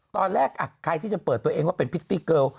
ตอนแรกใครที่จะเปิดตัวเองว่าเป็นพริตตี้เกิล